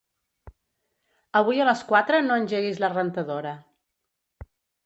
Avui a les quatre no engeguis la rentadora.